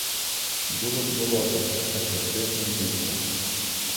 Було б болото, а чорти знайдуться.